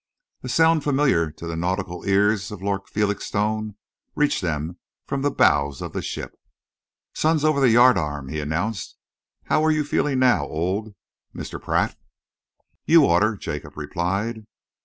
A sound familiar to the nautical ears of Lord Felixstowe reached them from the bows of the ship. "Sun's over the yardarm," he announced. "How are you feeling now, old Mr. Pratt?" "You order," Jacob replied.